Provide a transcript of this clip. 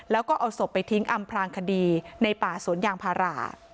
แล้วก็เอาศพไปทิ้งอำพลางคดีในป่าสวนยางพารา